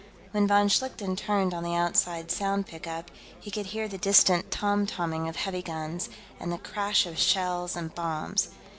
When von Schlichten turned on the outside sound pickup, he could hear the distant tom tomming of heavy guns, and the crash of shells and bombs.